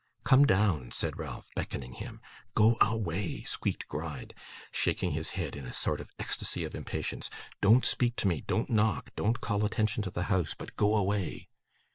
'Come down,' said Ralph, beckoning him. 'Go a way!' squeaked Gride, shaking his head in a sort of ecstasy of impatience. 'Don't speak to me, don't knock, don't call attention to the house, but go away.